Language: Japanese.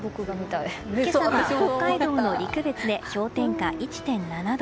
今朝は北海道の陸別で氷点下１．７度。